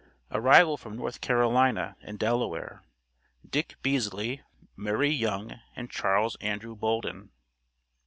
ARRIVAL FROM NORTH CAROLINA AND DELAWARE. "DICK BEESLY",MURRAY YOUNG AND CHARLES ANDREW BOLDEN.